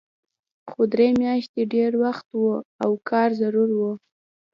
خو درې میاشتې ډېر وخت و او کار ضرور و